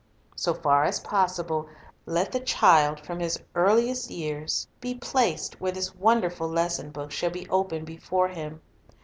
So far as possible, let the child from his earliest }'ears be placed where this wonderful lesson book shall God in Nature 101 be open before him.